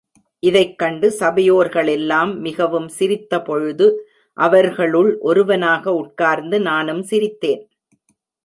இதைக் கண்டு சபையோர்களெல்லாம் மிகவும் சிரித்தபொழுது, அவர்களுள் ஒருவனாக உட்கார்ந்து நானும் சிரித்தேன்.